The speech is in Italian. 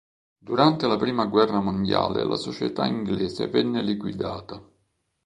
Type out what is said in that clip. Durante la prima guerra mondiale la società inglese venne liquidata.